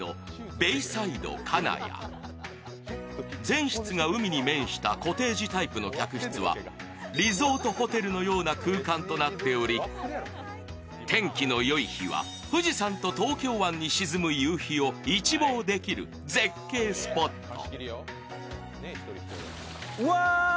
全室が海に面したコテージタイプの客室は、リゾートホテルのような空間となっており天気のよい日は富士山と東京湾に沈む夕日が見れる絶景スポット。